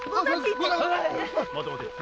待て待て。